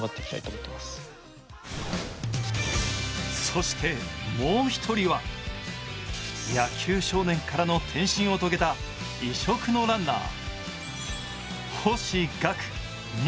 そして、もう一人は野球少年からの転身を遂げた異色のランナー。